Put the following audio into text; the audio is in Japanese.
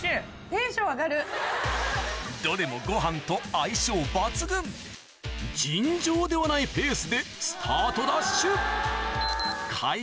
どれもご飯と相性抜群尋常ではないペースでスタートダッシュ